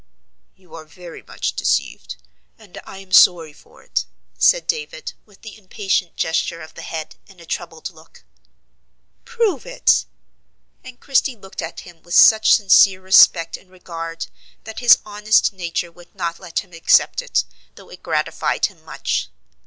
"You are very much deceived, and I am sorry for it," said David, with the impatient gesture of the head, and a troubled look. "Prove it!" And Christie looked at him with such sincere respect and regard, that his honest nature would not let him accept it, though it gratified him much.